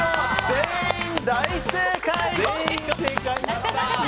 全員大正解！